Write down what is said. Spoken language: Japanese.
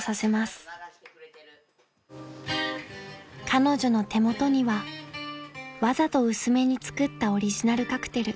［彼女の手元にはわざと薄めに作ったオリジナルカクテル］